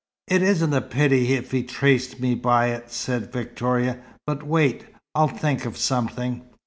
"It isn't a pity if he traced me by it," said Victoria. "But wait. I'll think of something."